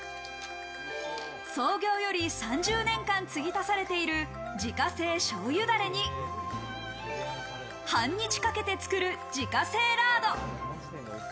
創業より３０年間継ぎ足されている自家製醤油ダレに、半日かけて作られる自家製ラード。